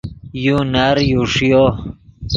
یو نر یو ݰیو